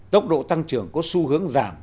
tốc độ tăng trưởng có xu hướng giảm